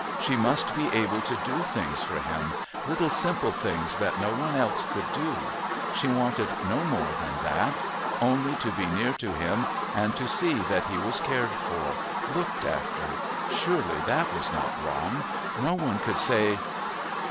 She must be able to do things for him, little simple things that no one else could do. She wanted no more than that. Only to be near to him and to see that he was cared for...looked after. Surely that was not wrong. No one could say....